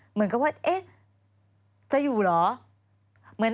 เหมือนกับว่าเอ๊ะจะอยู่เหรอ